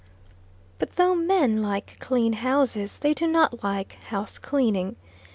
But though men like clean houses, they do not like house cleaning.